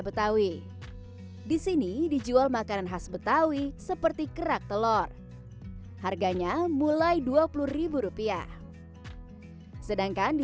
betawi di sini dijual makanan khas betawi seperti kerak telor harganya mulai rp dua puluh sedangkan di